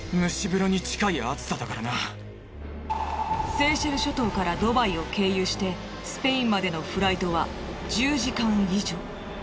セーシェル諸島からドバイを経由してスペインまでのフライトは１０時間以上。